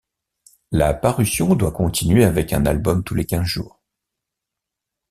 La parution doit continuer avec un album tous les quinze jours.